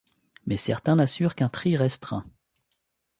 Mais certains n'assurent qu'un tri restreint.